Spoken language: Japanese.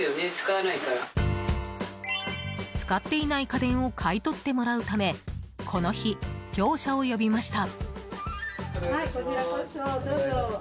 使っていない家電を買い取ってもらうためこの日、業者を呼びました。